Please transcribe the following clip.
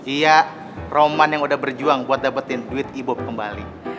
iya roman yang udah berjuang buat dapetin duit e boop kembali